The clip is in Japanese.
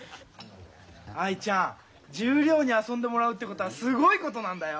藍ちゃん十両に遊んでもらうってことはすごいことなんだよ。